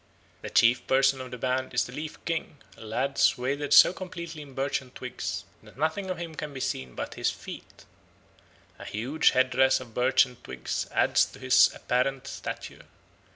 The chief person of the band is the Leaf King, a lad swathed so completely in birchen twigs that nothing of him can be seen but his feet. A huge head dress of birchen twigs adds to his apparent stature.